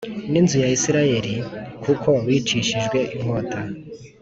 n inzu ya Isirayeli kuko bicishijwe inkota